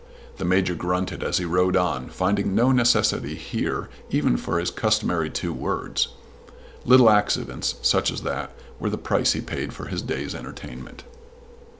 The Major grunted as he rode on, finding no necessity here even for his customary two words. Little accidents, such as that, were the price he paid for his day's entertainment.